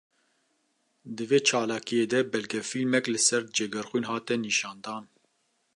Di vê çalakiyê de belgefilmek li ser Cegerxwîn hate nîşandan